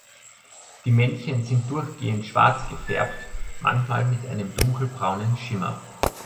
Die Männchen sind durchgehend schwarz gefärbt, manchmal mit einem dunkelbraunen Schimmer.